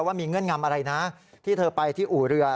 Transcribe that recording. ว่ามีเงื่อนงำอะไรนะที่เธอไปที่อู่เรือ